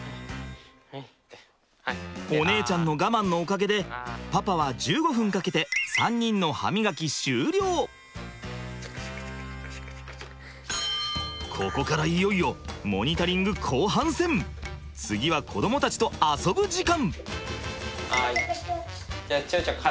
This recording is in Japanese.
お姉ちゃんの我慢のおかげでパパは１５分かけて３人のここからいよいよ次は子どもたちと遊ぶ時間！